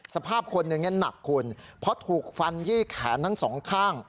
สภาพคนนึงเนี่ยหนักคุณเพราะถูกฟันยี่แขนทั้ง๒ข้าง